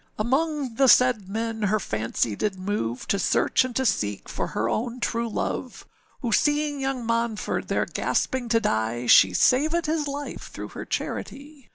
âAmong the said men, her fancy did move, To search and to seek for her own true love, Who seeing young Monford there gasping to die, She savèd his life through her charity.